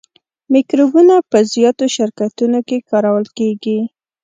مکروبونه په زیاتو شرکتونو کې کارول کیږي.